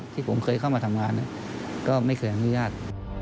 ที่ผมเคยเข้ามาทำงานก็ไม่เคยอนุญาต